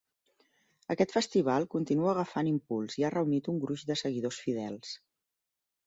Aquest festival continuar agafant impuls i ha reunit un gruix de seguidors fidels.